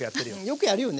よくやる。